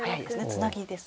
ツナギです。